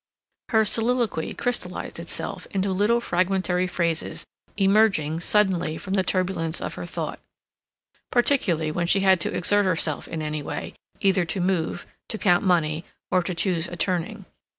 Her soliloquy crystallized itself into little fragmentary phrases emerging suddenly from the turbulence of her thought, particularly when she had to exert herself in any way, either to move, to count money, or to choose a turning.